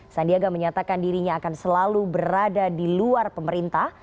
sandiaga menyatakan dirinya akan selalu berada di luar pemerintah